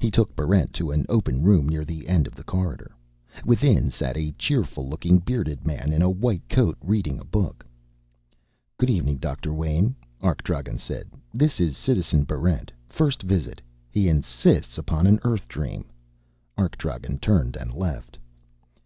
He took Barrent to an open room near the end of the corridor. Within sat a cheerful looking bearded man in a white coat reading a book. "Good evening, Doctor Wayn," Arkdragen said. "This is Citizen Barrent. First visit. He insists upon an Earth dream." Arkdragen turned and left.